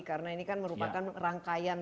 karena ini kan merupakan rangkaian